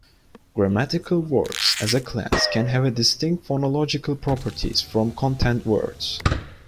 Grammatical words, as a class, can have distinct phonological properties from content words.